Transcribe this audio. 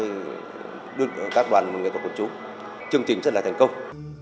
với sự quyết tâm nỗ lực của các đoàn nghệ thuật quân chúng chương trình rất là thành công